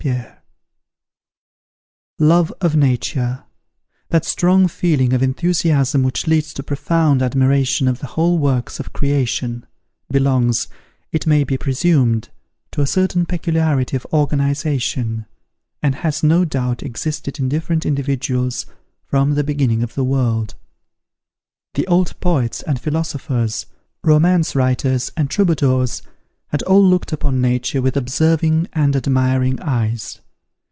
PIERRE Love of Nature, that strong feeling of enthusiasm which leads to profound admiration of the whole works of creation, belongs, it may be presumed, to a certain peculiarity of organization, and has, no doubt, existed in different individuals from the beginning of the world. The old poets and philosophers, romance writers, and troubadours, had all looked upon Nature with observing and admiring eyes.